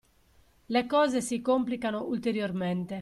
Le cose si complicano ulteriormente.